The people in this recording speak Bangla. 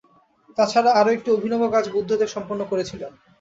তাছাড়া আরও একটি অভিনব কাজ বুদ্ধদেব সম্পন্ন করেছিলেন।